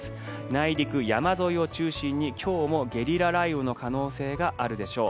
内陸、山沿いを中心に今日もゲリラ雷雨の可能性があるでしょう。